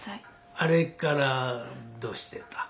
あれからどうしてた？